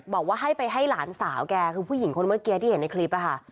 บอกว่าให้ไปให้หลานสาวแกคือผู้หญิงคนเมื่อกี้ที่เห็นในคลิปค่ะ